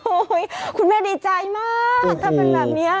โอ๊ยคุณแม่ดีใจมากทำเป็นแบบนี้คะ